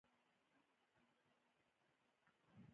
سهار د ټولنې جوړښت تازه کوي.